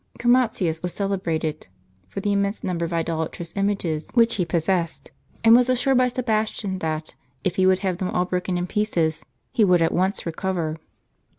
Chromatins was celebrated for the immense number of idola trous images which he possessed ; and was assured by Sebas tian that, if he would have them all broken in pieces, he would at once recover.